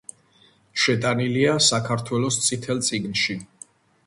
შეტანილია საქართველოს წითელ წიგნში.